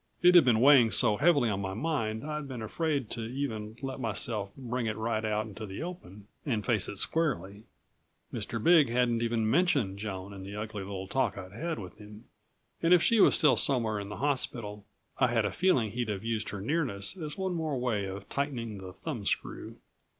It had been weighing so heavily on my mind I'd been afraid to even let myself bring it right out into the open and face it squarely. Mr. Big hadn't even mentioned Joan in the ugly little talk I'd had with him, and if she was still somewhere in the hospital I had a feeling he'd have used her nearness as one more way of tightening the thumbscrew.